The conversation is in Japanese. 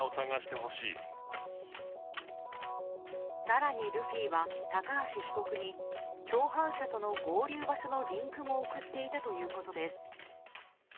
更にルフィは、高橋被告に共犯者との合流場所のリンクも送っていたということです。